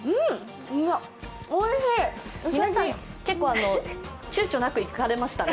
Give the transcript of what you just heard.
皆さんちゅうちょなくいかれましたね。